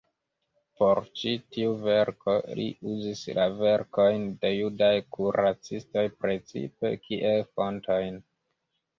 Por ĉi tiu verko li uzis la verkojn de judaj kuracistoj precipe kiel fontojn.